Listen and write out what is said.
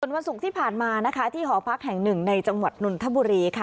วันศุกร์ที่ผ่านมานะคะที่หอพักแห่งหนึ่งในจังหวัดนนทบุรีค่ะ